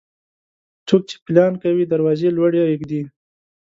څوک چې پيلان کوي، دروازې لوړي اېږدي.